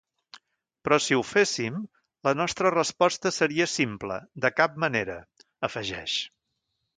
“Però si ho féssim, la nostra resposta seria simple: de cap manera”, afegeix.